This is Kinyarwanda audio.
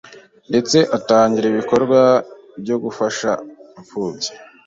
ndetse atangira ibikorwa byo gufasha imfubyi